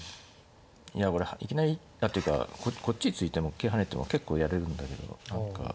いやこれいきなり何ていうかこっち突いても桂跳ねても結構やれるんだけど何か。